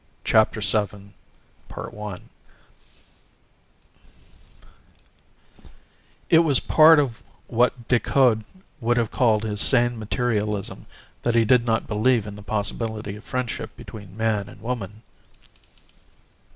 CHAPTER SEVEN It was part of what Decoud would have called his sane materialism that he did not believe in the possibility of friendship between man and woman.